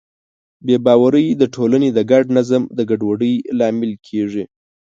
بې باورۍ د ټولنې د ګډ نظم د ګډوډۍ لامل کېږي.